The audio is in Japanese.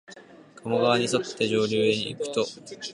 加茂川にそって上流にいくと、